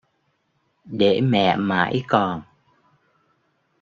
Để mẹ mãi còn